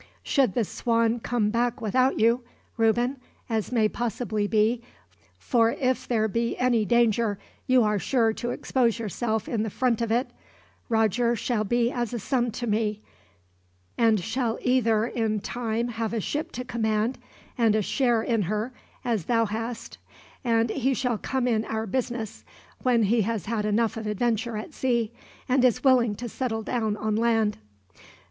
"Should the Swan come back without you, Reuben as may possibly be, for if there be any danger you are sure to expose yourself in the front of it Roger shall be as a son to me; and shall either in time have a ship to command, and a share in her, as thou hast; and he shall come in our business, when he has had enough of adventure at sea, and is willing to settle down on land."